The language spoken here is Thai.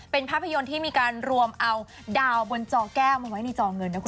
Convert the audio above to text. เป็นภาพยนตร์ที่มีการรวมเอาดาวบนจอแก้วมาไว้ในจอเงินนะคุณ